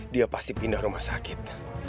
dia pasti pindah rumah sakit